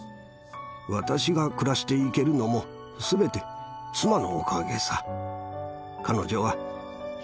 私が暮らしていけるのも、すべて妻のおかげさ。